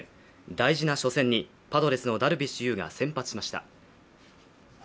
大事な初戦にダルビッシュのパドレスのダルビッシュ有が先発しました。